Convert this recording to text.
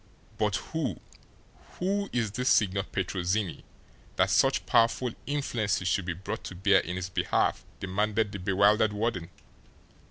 "But who who is this Signor Petrozinni, that such powerful influences should be brought to bear in his behalf?" demanded the bewildered warden.